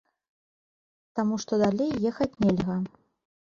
Таму што далей ехаць нельга.